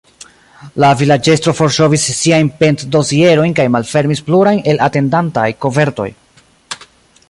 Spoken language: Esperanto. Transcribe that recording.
La vilaĝestro forŝovis siajn pend-dosierojn kaj malfermis plurajn el atendantaj kovertoj.